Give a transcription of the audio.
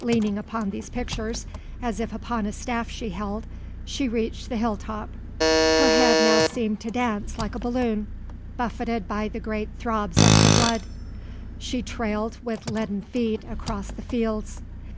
Leaning upon these pictures as if upon a staff she held, she reached the hill top. Her head now seemed to dance like a balloon, buffeted by the great throbs of her blood. She trailed with leaden feet across the fields.